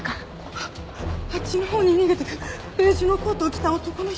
ああっちのほうに逃げていくベージュのコートを着た男の人を見ました。